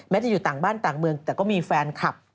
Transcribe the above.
จะอยู่ต่างบ้านต่างเมืองแต่ก็มีแฟนคลับ